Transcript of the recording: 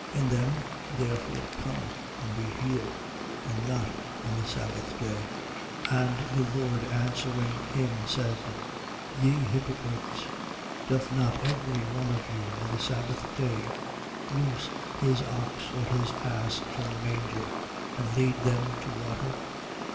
In them therefore come and be healed: and not on the sabbath day. 13:15. And the Lord answering him, said: Ye hypocrites, doth not every one of you, on the sabbath day, loose his ox or his ass from the manger and lead them to water?